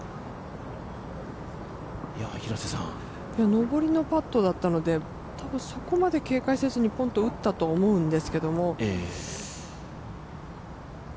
上りのパットだったので、たぶんそこまで警戒せずにポンと打ったと思うんですけど。